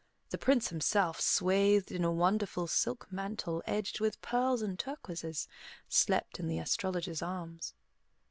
The Prince himself, swathed in a wonderful silk mantle edged with pearls and turquoises, slept in the Astrologer's arms.